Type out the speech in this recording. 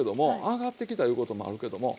上がってきたいうこともあるけども。